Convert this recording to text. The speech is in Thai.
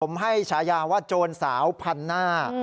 ผมให้ฉายาว่าโจรสาวพันหน้า